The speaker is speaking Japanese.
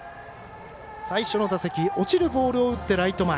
最初の打席落ちるボールを打ってライト前。